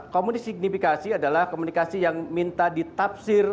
komunikasi signifikasi adalah komunikasi yang minta ditafsir